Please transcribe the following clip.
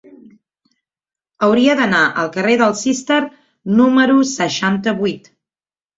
Hauria d'anar al carrer del Cister número seixanta-vuit.